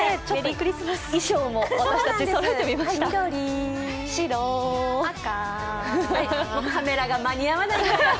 衣装も私たちそろえてみました。